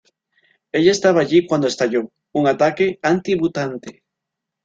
Ella estaba allí cuando estalló un ataque anti-mutante.